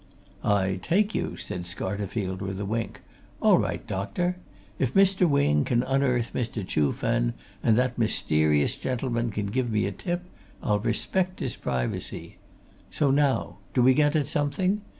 "I take you!" said Scarterfield, with a wink. "All right, doctor! If Mr. Wing can unearth Mr. Chuh Fen and that mysterious gentleman can give me a tip, I'll respect his privacy! So now do we get at something?